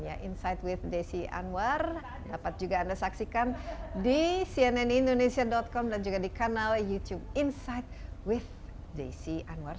insight with desi anwar dapat juga anda saksikan di cnnindonesia com dan juga di kanal youtube insight with desi anwar